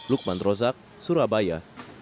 lukman rozak surabaya